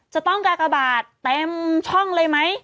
จะต้องกากบาทเต็มช่องเลยไหม